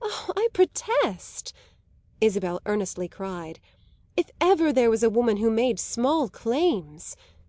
"Ah, I protest!" Isabel earnestly cried. "If ever there was a woman who made small claims